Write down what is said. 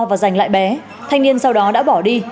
và giành lại bé thanh niên sau đó đã bỏ đi